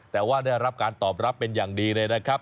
แต่ว่าได้รับการตอบรับเป็นอย่างดีเลยนะครับ